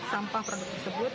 sampah produk tersebut